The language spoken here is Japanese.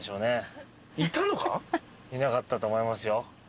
いなかったと思いますよ。